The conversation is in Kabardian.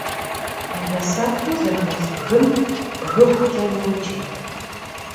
Мывэсэхуу зэхэлъ бгым бгыхукӏэ йоджэ.